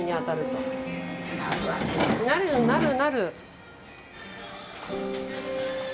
なるなるなる。